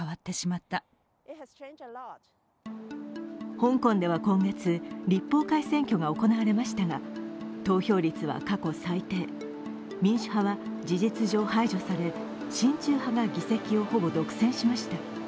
香港では今月、立法会選挙が行われましたが、投票率は過去最低、民主派は事実と上排除され、親中派が議席をほぼ独占しました。